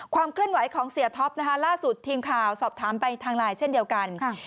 เคลื่อนไหวของเสียท็อปนะคะล่าสุดทีมข่าวสอบถามไปทางไลน์เช่นเดียวกัน